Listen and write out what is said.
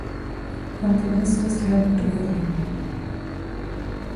Komponist ist Helmut Oehring.